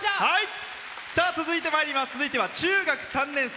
続いては、中学３年生。